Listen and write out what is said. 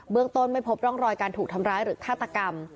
ต้นไม่พบร่องรอยการถูกทำร้ายหรือฆาตกรรม